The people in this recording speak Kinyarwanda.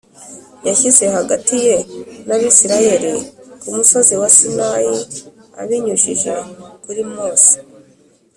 yashyize hagati ye n Abisirayeli ku musozi wa Sinayi abinyujije kuri Mose